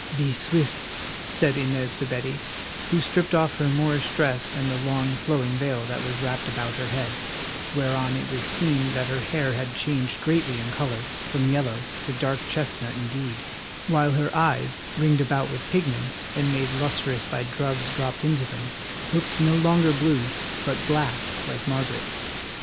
"Be swift," said Inez to Betty, who stripped off her Moorish dress and the long, flowing veil that was wrapped about her head, whereon it was seen that her hair had changed greatly in colour, from yellow to dark chestnut indeed, while her eyes, ringed about with pigments, and made lustrous by drugs dropped into them, looked no longer blue, but black like Margaret's.